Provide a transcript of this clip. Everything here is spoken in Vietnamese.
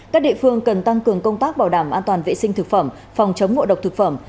các địa phương cần tăng cường công tác bảo đảm an toàn vệ sinh thực phẩm phòng chống ngộ độc thực phẩm